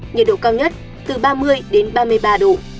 nhiệt độ cao nhất từ ba mươi đến ba mươi ba độ